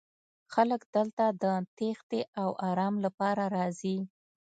خلک دلته د تیښتې او ارام لپاره راځي